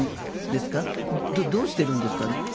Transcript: どうしているんですかね？